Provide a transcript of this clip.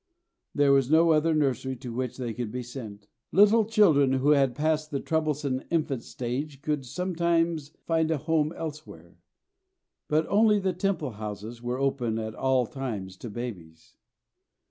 There was no other nursery to which they could be sent. Little children who had passed the troublesome infant stage could sometimes find a home elsewhere; but only the Temple houses were open at all times to babies.